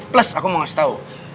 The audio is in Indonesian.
plus aku mau ngasih tau